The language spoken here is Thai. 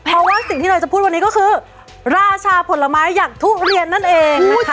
เพราะว่าสิ่งที่เราจะพูดวันนี้ก็คือราชาผลไม้อย่างทุเรียนนั่นเองนะคะ